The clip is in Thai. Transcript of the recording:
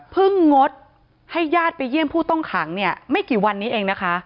งดให้ญาติไปเยี่ยมผู้ต้องขังเนี่ยไม่กี่วันนี้เองนะคะ